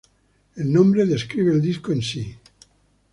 El nombre describe el disco en sí.